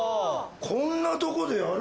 こんなとこでやる？